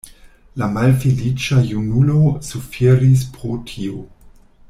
La malfeliĉa junulo suferis pro tio.